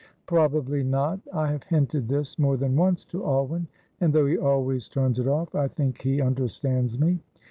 "Probably not. I have hinted this more than once to Alwyn, and though he always turns it off, I think he understands me.